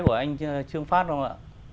của anh trương phát không ạ